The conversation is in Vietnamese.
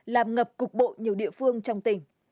làm ngập cục bộ nhiều địa phương trong tỉnh